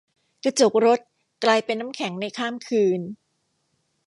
กระจกรถกลายเป็นน้ำแข็งในข้ามคืน